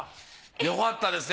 よかったですね